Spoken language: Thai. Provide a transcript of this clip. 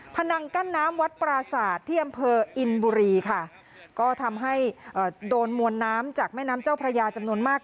นังกั้นน้ำวัดปราศาสตร์ที่อำเภออินบุรีค่ะก็ทำให้โดนมวลน้ำจากแม่น้ำเจ้าพระยาจำนวนมาก